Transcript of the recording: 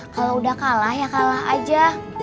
kalau udah kalah ya kalah aja